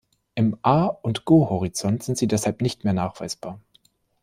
Im A- und Go-Horizont sind sie deshalb nicht mehr nachweisbar.